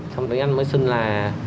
xong tiến anh mới xin là